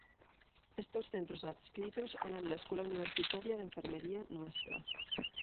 Estos Centros Adscritos eran la Escuela Universitaria de Enfermería “Ntra.